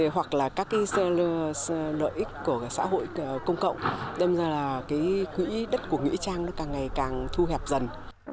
hoặc là các cái nợ ích của xã hội công cộng đâm ra là cái quỹ đất của nghĩa trang nó càng ngày càng thu hẹp dần